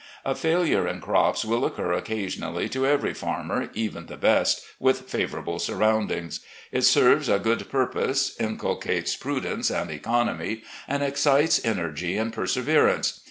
A failure in crops will occur occa sionally to every farmer, even the best, with favourable surroundings. It serves a good purpose, inculcates pru dence and economy, and excites energy and perseverance.